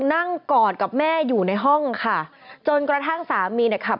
กอดกับแม่อยู่ในห้องค่ะจนกระทั่งสามีเนี่ยขับ